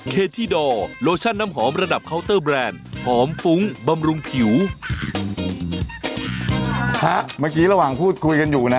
เมื่อกี้ระหว่างพูดคุยกันอยู่นะ